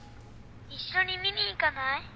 一緒に見に行かない？